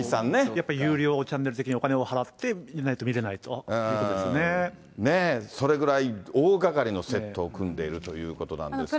やっぱり有料チャンネル好きで、お金を払ってみないと見れなそれぐらい大がかりのセットを組んでいるということなんですけども。